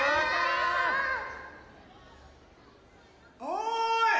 おい！